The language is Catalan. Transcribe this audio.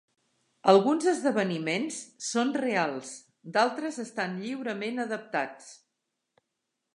Alguns esdeveniments són reals, d'altres estan lliurement adaptats.